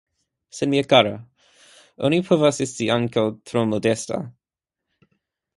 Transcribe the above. Sed mia kara, oni povas esti ankaŭ tro modesta.